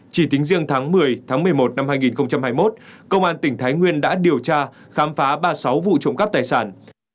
chỉ tính riêng tháng một mươi tháng một mươi một năm hai nghìn hai mươi một công an tỉnh thái nguyên đã điều tra khám phá ba mươi sáu vụ trộm cắp tài sản